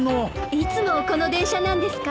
いつもこの電車なんですか？